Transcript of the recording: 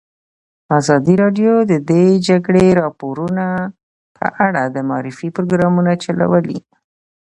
ازادي راډیو د د جګړې راپورونه په اړه د معارفې پروګرامونه چلولي.